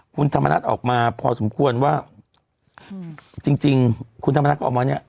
คุณธรรมนัฐออกมาพอสมควรว่าจริงคุณธรรมนัฐก็ออกมาเนี่ย